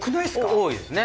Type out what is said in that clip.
多いですね。